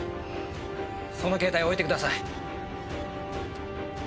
その携帯置いてください。